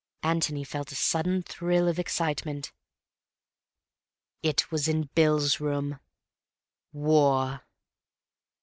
Antony felt a sudden thrill of excitement. It was in Bill's room. War!